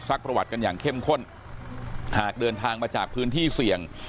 ประวัติกันอย่างเข้มข้นหากเดินทางมาจากพื้นที่เสี่ยง